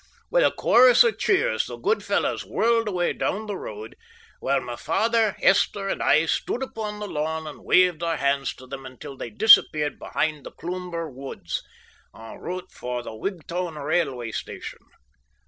With a chorus of cheers the good fellows whirled away down the road, while my father, Esther, and I stood upon the lawn and waved our hands to them until they disappeared behind the Cloomber woods, en route for the Wigtown railway station.